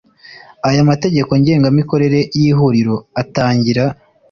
Aya Mategeko Ngengamikorere y lhuriro atangira